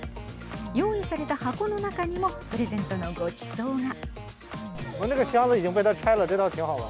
用意された箱の中にもプレゼントのごちそうが。